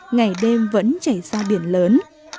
ngày đêm vẫn chảy ra biển lớn